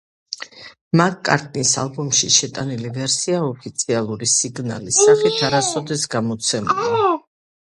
მაკ-კარტნის ალბომში შეტანილი ვერსია ოფიციალური სინგლის სახით არასოდეს გამოცემულა.